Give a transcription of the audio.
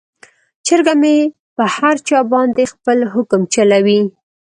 چرګه مې په هر چا باندې خپل حکم چلوي.